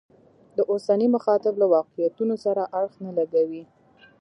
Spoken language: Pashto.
د اوسني مخاطب له واقعیتونو سره اړخ نه لګوي.